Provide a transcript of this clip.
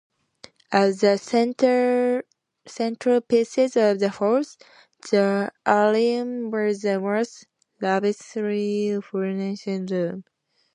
As the centrepiece of the house, the atrium was the most lavishly-furnished room.